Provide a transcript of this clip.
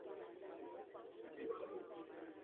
kukabiliana na changamoto ya ununuzi